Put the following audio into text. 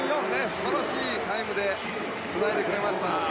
素晴らしいタイムでつないでくれました。